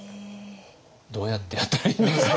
どうやってやったらいいんですか？